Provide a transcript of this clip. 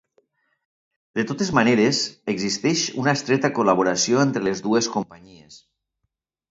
De totes maneres, existeix una estreta col·laboració entre les dues companyies.